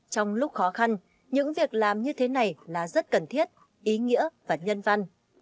trong lúc khó khăn những việc làm như thế này là rất cần thiết ý nghĩa và nhân văn